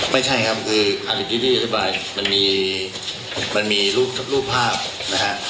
ไม่ใช่ครับคืออาฆิแกรรดิสะบายมันมีมันมีรูปภาพนะฮะ